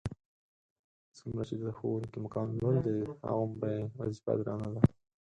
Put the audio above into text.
څومره چې د ښوونکي مقام لوړ دی هغومره یې وظیفه درنه ده.